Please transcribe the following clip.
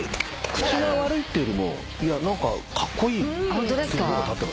口が悪いっていうよりも何かカッコイイっていう方が立ってます。